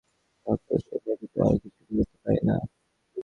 কিন্তু এ পর্যন্ত কেবল আমার ভাবপ্রচার ব্যতীত আর কিছু করিতে পারি নাই।